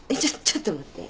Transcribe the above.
ちょっと待って。